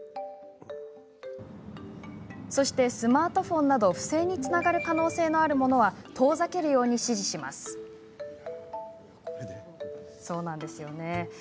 そしてスマートフォンなど不正につながる可能性のあるものは遠ざけるように指示します。